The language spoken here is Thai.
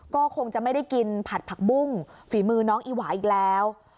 ก็คงจะไม่ได้กินผัดผักบุ้งฝีมือน้องอีหวาอีกแล้ว